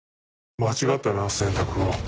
間違ったな選択を。